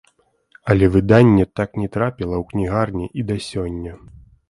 Але выданне так не трапіла ў кнігарні і да сёння.